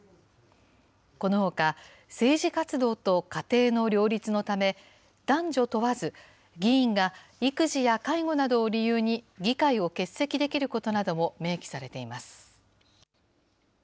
このほか、政治活動と家庭の両立のため、男女問わず、議員が育児や介護などを理由に議会を欠席できることなども明記されています。